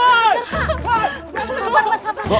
jangan lari pak